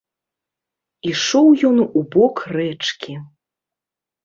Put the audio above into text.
Ішоў ён у бок рэчкі.